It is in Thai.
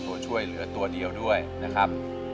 ตัวช่วยเหลือตัวเดียวด้วยนะครับ